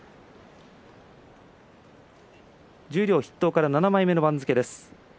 十両筆頭から７枚目までの番付です。